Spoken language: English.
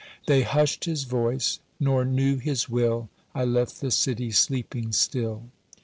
They hushed his voice, nor knew his will— I left the city sleeping still.